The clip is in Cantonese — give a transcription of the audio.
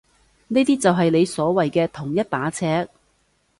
呢啲就係你所謂嘅同一把尺？